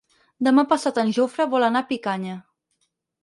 Demà passat en Jofre vol anar a Picanya.